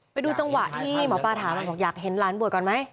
ไปดูจังหวะที่หมอปลาถามกันบอกอยากเห็นหลานบวชก่อนไหม